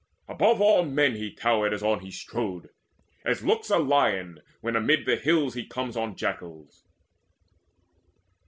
Above all men he towered as on he strode, As looks a lion when amid the hills He comes on jackals.